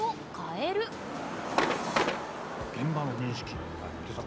現場の認識ですか？